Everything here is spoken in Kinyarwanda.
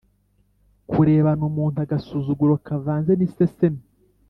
kurebana umuntu agasuzuguro kavanze n' iseseme;